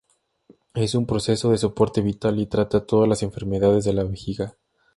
Es un proceso de soporte vital y trata todas las enfermedades de la vejiga.